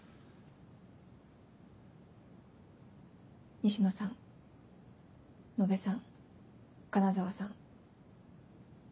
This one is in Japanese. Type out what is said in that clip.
西野さん野辺さん金澤さん。